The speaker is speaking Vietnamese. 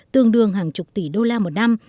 tương đương hàng chục tỷ đô la một năm